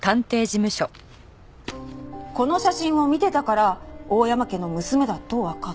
この写真を見てたから大山家の娘だとわかった。